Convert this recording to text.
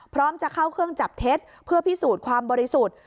พร้อมจะเข้าเครื่องจับเท็จเพื่อพิสูจน์ความบริสุทธิ์